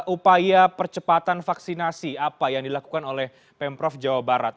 upaya percepatan vaksinasi apa yang dilakukan oleh pemprov jawa barat